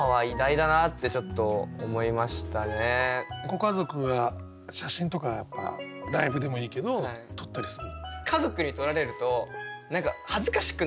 ご家族は写真とかライブでもいいけど撮ったりするの？